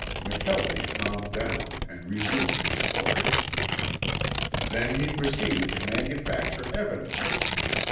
McKelvie calmed down and resumed his story. "Then he proceeded to manufacture evidence.